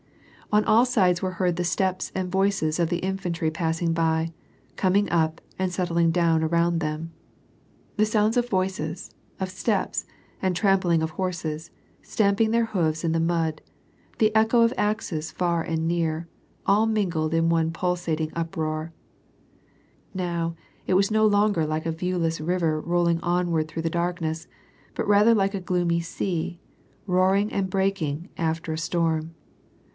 ()n all sides, were heard the steps and voices of the infantry passing by, coming up, and settling down around them. The sounds of voices, of steps, and trampling of horses, stamping their hoofs in the mud, the echo of axes far and near, all min gled in one pulsating uproai*. Now, it was no longer like a viewless river rolling onward through the darkness, but rather like a gloomy sea, roaring and breaking, after a storm.